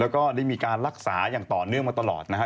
แล้วก็ได้มีการรักษาอย่างต่อเนื่องมาตลอดนะฮะ